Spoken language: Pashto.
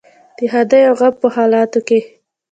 د ښادۍ او غم په حالاتو کې.